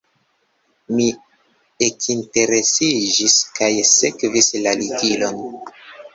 Mi ekinteresiĝis kaj sekvis la ligilon.